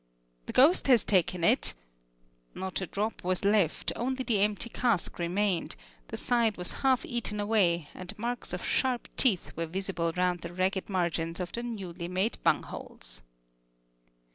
"The ghost has taken it" not a drop was left, only the empty cask remained; the side was half eaten away, and marks of sharp teeth were visible round the ragged margins of the newly made bungholes.